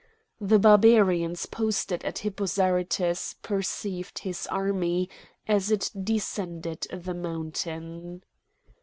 The Barbarians posted at Hippo Zarytus perceived his army as it descended the mountain.